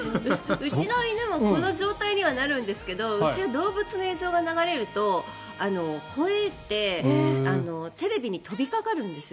うちの犬もこの状態にはなるんですけどうちは動物の映像が流れるとほえてテレビに飛びかかるんですよ。